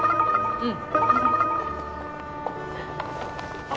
うん？